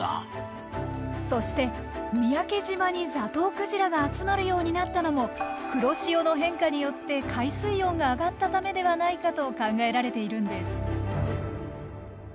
そして三宅島にザトウクジラが集まるようになったのも黒潮の変化によって海水温が上がったためではないかと考えられているんです。